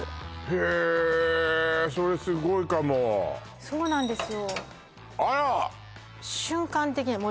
へえそれすごいかもそうなんですよ